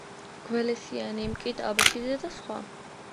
გველესიანი, კიტა აბაშიძე და სხვა.